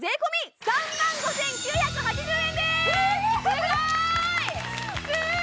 すごーい！